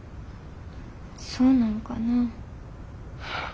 そうなんかなぁ。